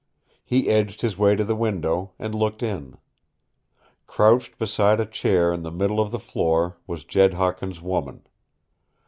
He edged his way to the window, and looked in. Crouched beside a chair in the middle of the floor was Jed Hawkins's woman.